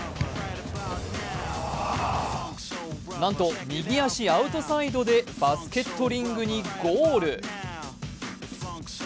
なんと、右足アウトサイドでバスケットリングにゴール。